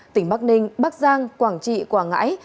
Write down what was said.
tỉnh bắc ninh bắc giang quảng trị quảng ngãi